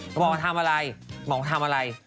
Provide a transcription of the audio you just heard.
ก็บอกมาทำอะไรบอกว่าทำอะไร